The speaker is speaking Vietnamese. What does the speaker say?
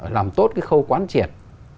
làm tốt cái khâu quán triệt